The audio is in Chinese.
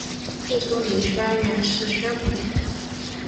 一说李宣远是宣古的弟弟。